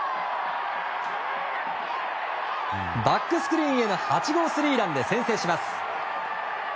バックスクリーンへの８号スリーランで先制します。